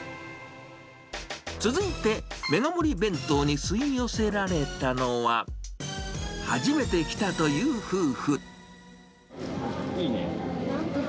続いて、メガ盛り弁当に吸い寄せられたのは、初めて来たという夫いいね。